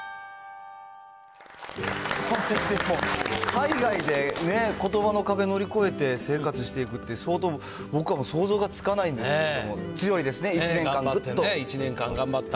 海外でことばの壁乗り越えて生活していくって、相当、僕は想像がつかないんですけども、強いですね、１年間頑張った。